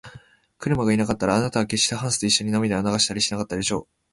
クラムがいなかったら、あなたはけっしてハンスといっしょに涙を流したりしなかったでしょう。